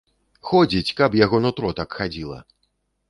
Ходзіць, каб яго нутро так хадзіла!